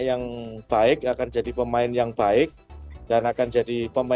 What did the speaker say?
yang baik akan jadi pemain yang baik dan akan jadi pemain yang baik dan akan jadi pemain yang